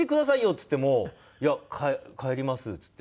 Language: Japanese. っつっても「いや帰ります」っつって。